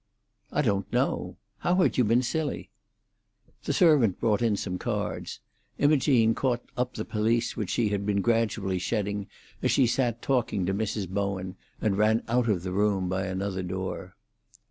"I don't know. How had you been silly?" The servant brought in some cards. Imogene caught up the pelisse which she had been gradually shedding as she sat talking to Mrs. Bowen, and ran out of the room by another door.